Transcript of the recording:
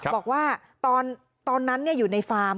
บอกว่าตอนนั้นอยู่ในฟาร์ม